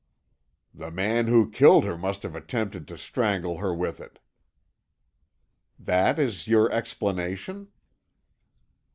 "The man who killed her must have attempted to strangle her with it." "That is your explanation?"